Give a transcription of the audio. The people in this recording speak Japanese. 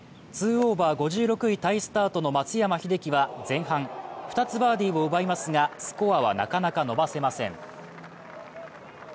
２オーバー・５６位タイスタートの松山英樹は前半、２つバーディーを奪いますがスコアはなかなか伸ばせません。